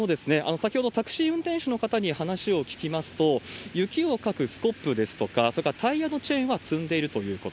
先ほどタクシー運転手の方に話を聞きますと、雪をかくスコップですとか、それからタイヤのチェーンは積んでいるということ。